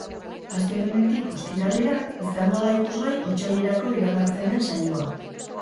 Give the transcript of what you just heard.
Astelehenetik ostiralera izango da ikusgai otsailerako iragartzen den saioa.